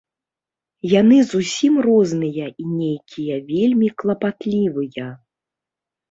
Яны зусім розныя і нейкія вельмі клапатлівыя.